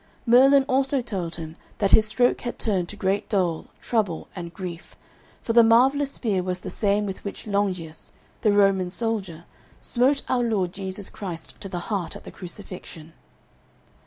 Merlin also told him that his stroke had turned to great dole, trouble, and grief, for the marvellous spear was the same with which Longius, the Roman soldier, smote our Lord Jesus Christ to the heart at the crucifixion.